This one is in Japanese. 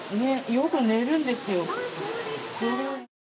よく寝るんですよ。